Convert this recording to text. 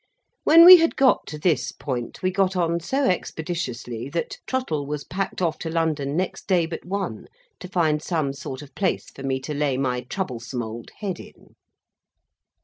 When we had got to this point, we got on so expeditiously, that Trottle was packed off to London next day but one, to find some sort of place for me to lay my troublesome old head in.